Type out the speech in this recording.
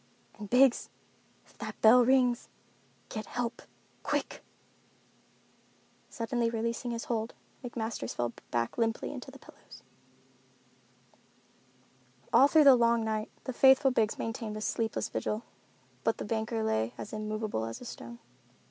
And Biggs—if that bell rings, get help—quick!" Suddenly releasing his hold, McMasters fell back limply among the pillows. All through the long night the faithful Biggs maintained a sleepless vigil, but the banker lay as immovable as a stone.